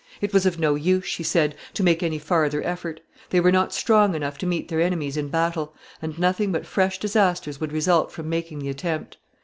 It was of no use, she said, to make any farther effort. They were not strong enough to meet their enemies in battle, and nothing but fresh disasters would result from making the attempt.